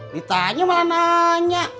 makanya malah nanya